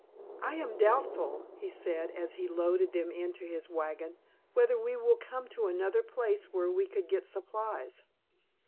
"I am doubtful," he said as he loaded them into his wagon, "whether we will come to another place where we could get supplies."